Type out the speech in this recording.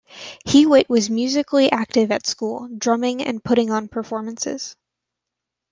Hewitt was musically active at school, drumming and putting on performances.